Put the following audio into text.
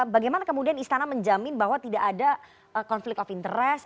bagaimana kemudian istana menjamin bahwa tidak ada konflik of interest